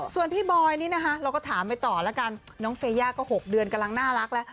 ส่วนพี่บอยนี่นะคะเราก็ถามไปต่อแล้วกันน้องเฟย่าก็๖เดือนกำลังน่ารักแล้ว